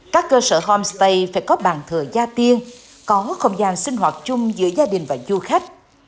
các cơ sở homestay phải có bàn thờ gia tiên có không gian sinh hoạt chung giữa gia đình và du khách